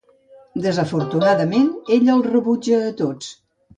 Desafortunadament, ella els rebutja a tots.